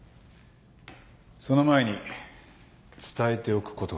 その前に伝えておくことがある。